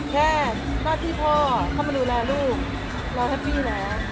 แค่ว่าที่พ่อเข้ามาดูแลลูกเราแฮปปี้แล้ว